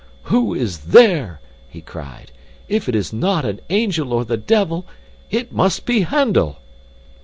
'Who is there?' he cried. 'If it is not an angel or the devil, it must be Handel!